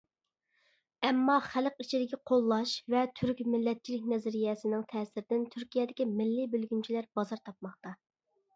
ئەمما خەلق ئىچىدىكى قوللاش ۋە تۈرك مىللەتچىلىك نەزەرىيەسىنىڭ تەسىرىدىن تۈركىيەدىكى مىللىي بۆلگۈنچىلەر بازار تاپماقتا.